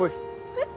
えっ？